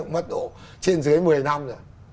mất độ trên dưới một mươi năm rồi